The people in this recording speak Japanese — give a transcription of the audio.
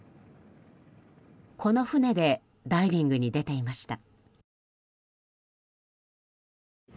この船でダイビングに出ていました。